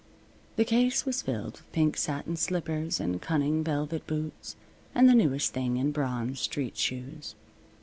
The case was filled with pink satin slippers and cunning velvet boots, and the newest thing in bronze street shoes.